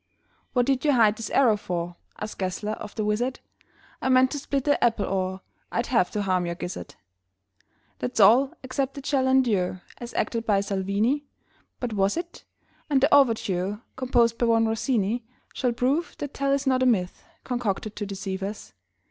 "What did you hide this arrow for?" Asked Gessler of the wizard. "I meant to split that apple, or I'd have to harm your gizzard!" That's all, except it shall endure As acted by Salvini. (But was it?) And the overture Composed by one Rossini Shall prove that Tell is not a myth Concocted to deceive us.